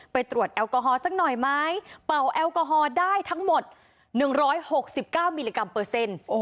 ตรวจแอลกอฮอลสักหน่อยไหมเป่าแอลกอฮอล์ได้ทั้งหมด๑๖๙มิลลิกรัมเปอร์เซ็นต์